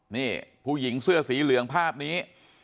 นี่ผู้หญิงเสื้อสีเหลืองภาพนี้